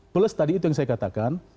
plus tadi itu yang saya katakan